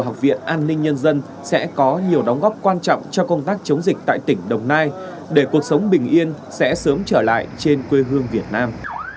học viện an ninh nhân dân đã khẩn trương thực hiện các điều kiện cần thiết đảm bảo an toàn tuyệt đối với trung tâm cdc hà nội